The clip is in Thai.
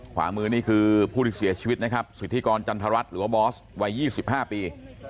ขวามือนี่คือผู้ที่เสียชีวิตนะครับสิทธิกรจันทรัฐหรือว่าบอสวัย๒๕ปี